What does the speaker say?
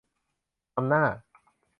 นำหน้า